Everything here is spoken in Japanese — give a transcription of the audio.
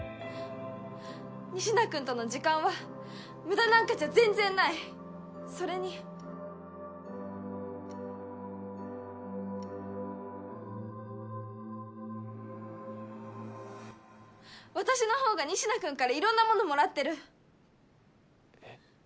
仁科君との時間は無駄なんかじゃ全然ないそれに私のほうが仁科君から色んなものもらってるえっ？